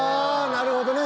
なるほどね。